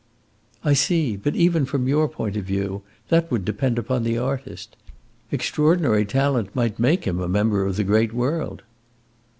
"I see. But even from your point of view, that would depend upon the artist. Extraordinary talent might make him a member of the great world!"